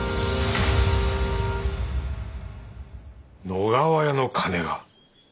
野川屋の金が？